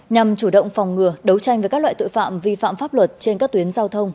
nhằm chủ động phòng ngừa đấu tranh với các loại tội phạm vi phạm pháp luật trên các tuyến giao thông